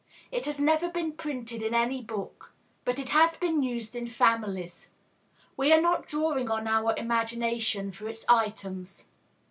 It has never been printed in any book; but it has been used in families. We are not drawing on our imagination for its items.